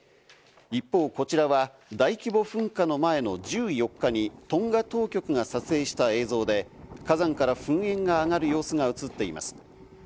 一方、こちらは大規模噴火の前の１４日にトンガ当局が撮影した映像で火山から噴煙が上がる様子が映っています。